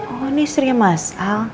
oh ini istrinya mas